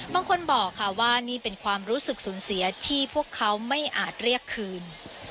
บางคนบอกค่ะว่านี่เป็นความรู้สึกสูญเสียที่พวกเขาไม่อาจเรียกคืน